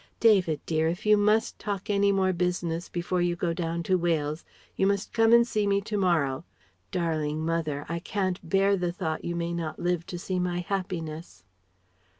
David, dear, if you must talk any more business before you go down to Wales, you must come and see me to morrow.... Darling mother! I can't bear the thought you may not live to see my happiness."